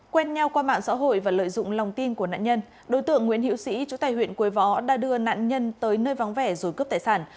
quen nhau qua mạng xã hội và lợi dụng lòng tin của nạn nhân đối tượng nguyễn hiễu sĩ chủ tài huyện quế võ đã đưa nạn nhân tới nơi vắng vẻ rồi cướp tài sản